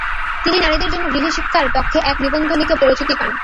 তিনি নারীদের জন্য গৃহশিক্ষার পক্ষে এক নিবন্ধ লিখে পরিচিতি পান।